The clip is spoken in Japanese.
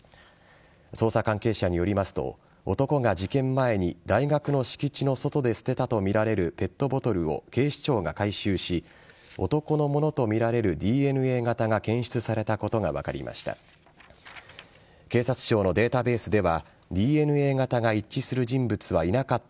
捜査関係者によりますと男は事件前に大学の敷地の外で捨てたとみられるペットボトルを警視庁が回収し男のものとみられるＤＮＡ型が検出されたこと分かりました。